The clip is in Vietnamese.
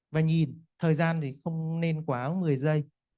và nhìn thời gian thì không nên quá một mươi giây